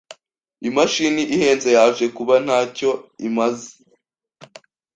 Imashini ihenze yaje kuba ntacyo imaze.